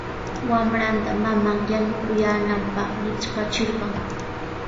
Wamranta maman yanukuyaananpaq riktrachirqan.